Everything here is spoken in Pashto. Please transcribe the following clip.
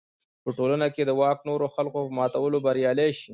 په ټولنه کې د واک نورو حلقو په ماتولو بریالی شي.